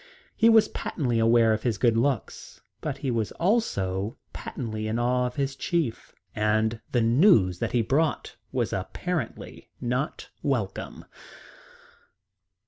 He was patently aware of his good looks. But he was also patently in awe of his chief, and the news that he brought was apparently not welcome.